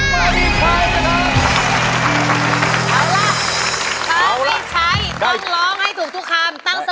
ใช้ใช้ใช้